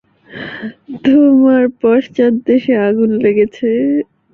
তোমার পশ্চাদ্দেশে আগুন লেগেছে!